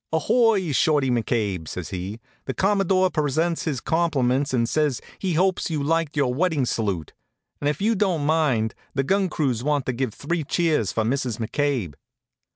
"Ahoy, Shorty McCabe!" says he. "The Commodore presents his compliments and says he hopes you liked your wedding salute; and if you don't mind, the gun crews want to give three cheers for Mrs. McCabe."